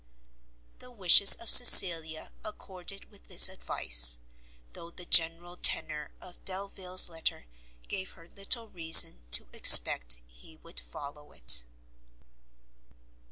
The wishes of Cecilia accorded with this advice, though the general tenour of Delvile's letter gave her little reason to expect he would follow it.